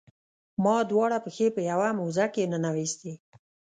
ما دواړه پښې په یوه موزه کې ننویستي.